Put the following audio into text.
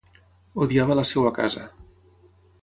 Odiava la seva casa.